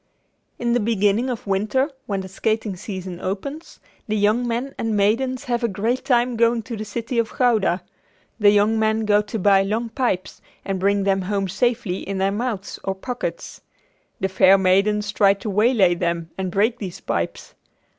In the beginning of winter when the skating season opens, the young men and maidens have a great time going to the city of Gouda. The young men go to buy long pipes and bring them home safely in their mouths or pockets. The fair maidens try to waylay them and break these pipes.